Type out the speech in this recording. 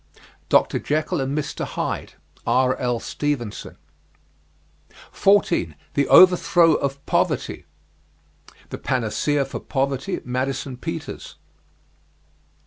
"Dr. Jekyll and Mr. Hyde," R.L. Stevenson. 14. THE OVERTHROW OF POVERTY. "The Panacea for Poverty," Madison Peters.